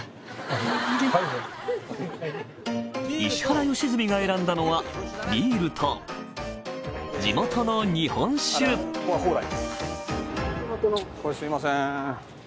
石原良純が選んだのはビールと地元の日本酒蓬莱。